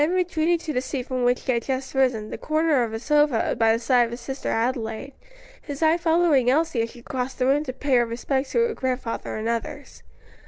Then retreating to the seat from which he had just risen, the corner of a sofa by the side of his sister Adelaide, his eye following Elsie as she crossed the room to pay her respects to her grandfather and others.